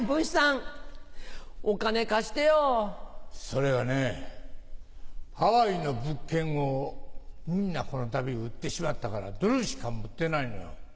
それがねハワイの物件をみんなこのたび売ってしまったからドルしか持ってないのよ。